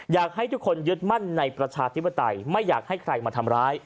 อยากให้ทุกคนยึดมั่นในประชาธิปไตยไม่อยากให้ใครมาทำร้าย